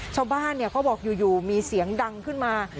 เขาบอกอยู่มีเสียงดังขึ้นมา